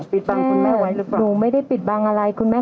ปิดบังคุณแม่ไว้หรือเปล่าหนูไม่ได้ปิดบังอะไรคุณแม่